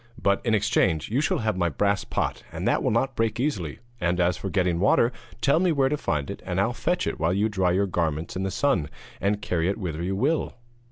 But, in exchange, you shall have my brass pot, and that will not break easily; and as for getting water, tell me where to find it, and I'll fetch it while you dry your garments in the sun, and carry it whither you will.'